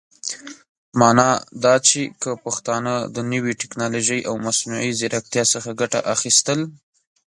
معنا دا چې که پښتانهٔ د نوې ټيکنالوژۍ او مصنوعي ځيرکتيا څخه ګټه اخيستل